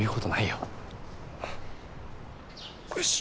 よし。